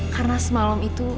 karena semalem itu